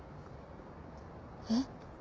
えっ？